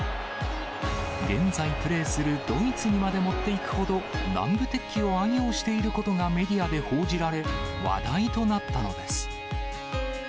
現在プレーするドイツにまで持っていくほど、南部鉄器を愛用していることがメディアで報じられ、話題となったのです。